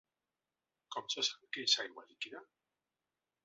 Com se sap que és aigua líquida?